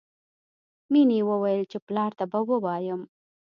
مینې وویل چې پلار ته به ووایم